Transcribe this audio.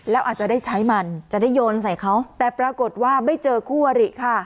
แล้วอาจจะได้ใช้มันจะได้โยนใส่เขาแต่ปรากฏว่าไม่เจอคู่อริค่ะ